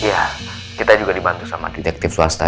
iya kita juga dibantu sama detektif swasta